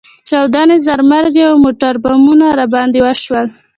چاودنې، ځانمرګي او موټربمونه راباندې وشول.